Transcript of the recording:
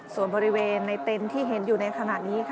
ส่วนบริเวณในเต็นต์ที่เห็นอยู่ในขณะนี้